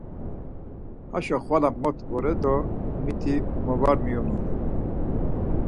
Haşo xvala mot vore do miti mo var miyonun!